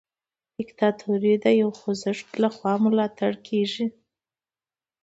دیکتاتوري د یو خوځښت لخوا ملاتړ کیږي.